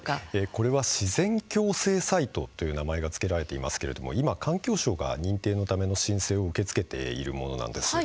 これは「自然共生サイト」という名前が付けられていますけれども今、環境省が認定のための申請を受け付けているものなんです。